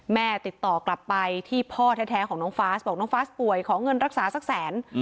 ติดต่อกลับไปที่พ่อแท้ของน้องฟาสบอกน้องฟาสป่วยขอเงินรักษาสักแสน